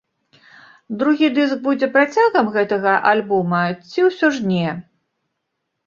Другі дыск будзе працягам гэтага альбома ці ўсё ж не?